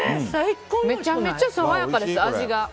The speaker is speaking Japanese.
めちゃめちゃ爽やかです、味が。